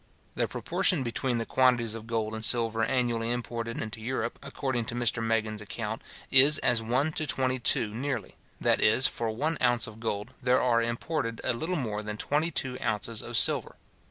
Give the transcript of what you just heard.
The proportion between the quantities of gold and silver annually imported into Europe, according to Mr Meggens' account, is as one to twenty two nearly; that is, for one ounce of gold there are imported a little more than twenty two ounces of silver.